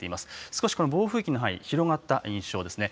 少しこの暴風域の範囲、広がった印象ですね。